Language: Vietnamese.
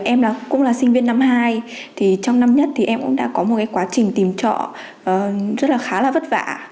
em cũng là sinh viên năm hai trong năm nhất em cũng đã có một quá trình tìm trọ khá là vất vả